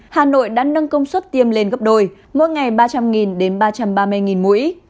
hà nội đã nâng công suất tiêm lên gấp đôi mỗi ngày ba trăm linh đến ba trăm ba mươi mũi